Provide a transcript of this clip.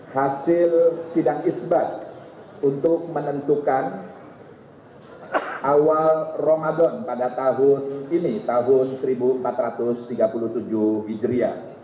hasil sidang isbat untuk menentukan awal ramadan pada tahun ini tahun seribu empat ratus tiga puluh tujuh hijriah